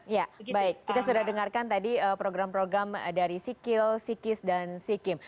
ya baik kita sudah dengarkan tadi program program dari sikil psikis dan sikim